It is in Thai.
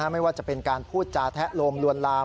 ไม่ว่าจะเป็นการพูดจาแทะโลมลวนลาม